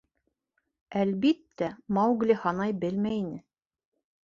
— Әлбиттә, Маугли һанай белмәй ине.